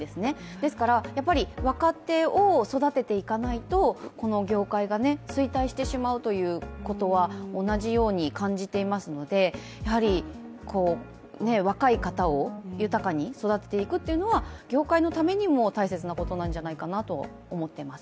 ですから、やっぱり若手を育てていかないとこの業界が衰退してしまうということは同じように感じていますので、やはり若い方を豊かに育てていくっていうのは業界のためにも大切なことなんじゃないかなと思ってます。